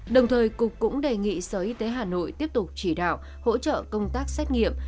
đồng thời cục cũng đề nghị sở y tế hà nội tiếp tục chỉ đạo hỗ trợ công tác xét nghiệm